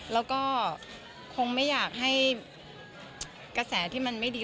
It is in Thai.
แล้วก็คงไม่อยากให้กระแสที่มันไม่ดี